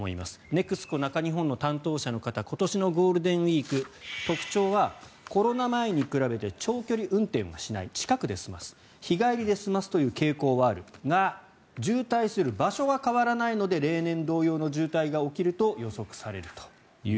ネクスコ中日本の担当者の方今年のゴールデンウィーク特徴はコロナ前に比べて長距離運転をしない近くで済ます日帰りで済ますという傾向はあるが渋滞する場所は変わらないので例年同様の渋滞が起きると予測されると。